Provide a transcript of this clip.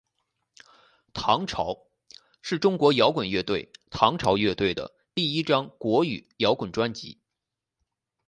唐朝是中国摇滚乐队唐朝乐队的第一张国语摇滚专辑。